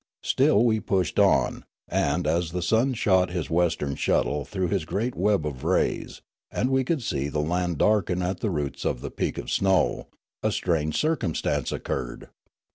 vStill we pushed on, and, as the sun shot his western shuttle through his great web of rays, and we could see the land darken at the roots of the peak of snow, a strange circumstance occurred.